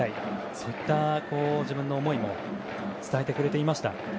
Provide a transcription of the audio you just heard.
そういった自分の思いも伝えてくれていました。